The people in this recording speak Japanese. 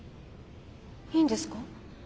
いいんですか？